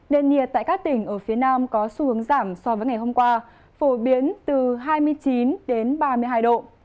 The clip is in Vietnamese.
nền nhiệt tại các tỉnh ở phía nam có xu hướng giảm so với ngày hôm qua phổ biến từ hai mươi chín đến ba mươi hai độ